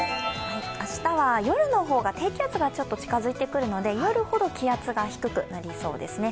明日は夜の方が低気圧が近づいてきますので夜ほど気圧が低くなりそうですね。